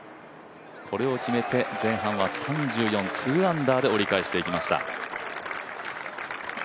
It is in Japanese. これを決めて前半は３４、２アンダーで折り返していきました。